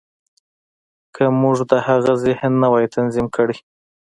که موږ د هغه ذهن نه وای تنظيم کړی.